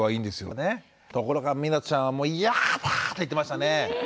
ところがみなとちゃんは「嫌だ」って言ってましたね。